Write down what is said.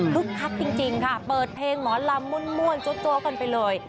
คึกครับจริงค่ะเปิดเพลงหมอนลำมวลโจ๊บกันไปเลย